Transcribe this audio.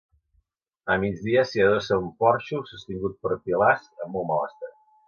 A migdia s'hi adossa un porxo, sostingut per pilars, en molt mal estat.